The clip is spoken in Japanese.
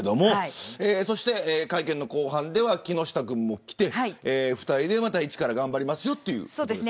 会見の後半では木下君も来て２人で、また一から頑張りますということですね。